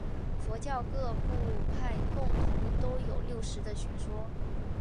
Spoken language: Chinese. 佛教各部派共同都有六识的学说。